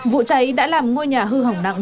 vụ cháy đã làm ngôi nhà hư hỏng nặng